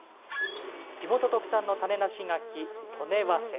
地元特産の種なし柿、刀根早生。